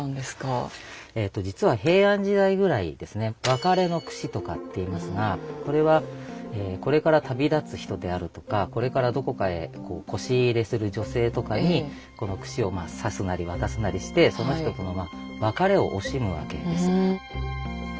「別れのくし」とかって言いますがこれはこれから旅立つ人であるとかこれからどこかへこし入れする女性とかにこのくしを挿すなり渡すなりしてその人との別れを惜しむわけです。